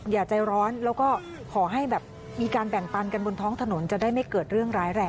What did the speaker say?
เย้